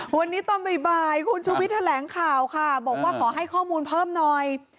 วันนี้ตอนบ่ายคุณชูวิทย์แถลงข่าวค่ะบอกว่าขอให้ข้อมูลเพิ่มหน่อย